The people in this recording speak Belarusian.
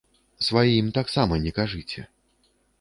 Сваім таксама не кажыце.